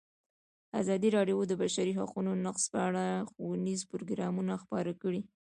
ازادي راډیو د د بشري حقونو نقض په اړه ښوونیز پروګرامونه خپاره کړي.